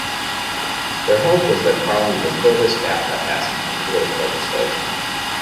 Their hope was that Parliament would fill this gap by passing prohibitive legislation.